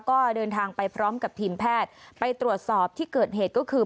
ก็เดินทางไปพร้อมกับทีมแพทย์ไปตรวจสอบที่เกิดเหตุก็คือ